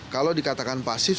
kalau dikatakan pasif